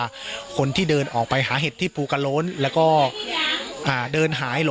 ปกติพี่สาวเราเนี่ยครับเป็นคนเชี่ยวชาญในเส้นทางป่าทางนี้อยู่แล้วหรือเปล่าครับ